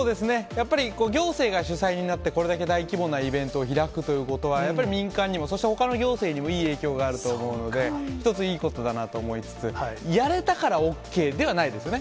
やっぱり行政が主催になって、これだけ大規模なイベントを開くということは、やっぱり民間にも、そしてほかの行政にもいい影響があると思うので、一ついいことだなと思いつつ、やれたからＯＫではないですよね。